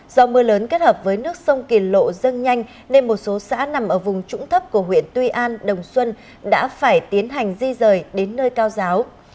do mưa lớn kết hợp với nước sông kỳ lộ dâng nhanh nên một số xã nằm ở vùng trũng thấp của huyện tuy an đồng xuân đã phải tiến hành di rời đến nơi cao giáo